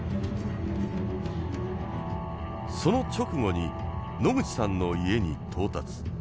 その直後に野口さんの家に到達。